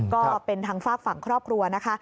ก็เป็นทางฝากฝั่งครอบครัวนะคะ